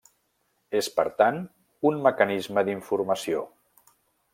És, per tant, un mecanisme d'informació.